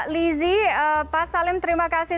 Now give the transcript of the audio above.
lizy pak salim terima kasih